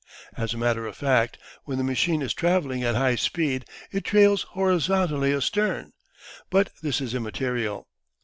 As a matter of fact, when the machine is travelling at high speed it trails horizontally astern, but this is immaterial.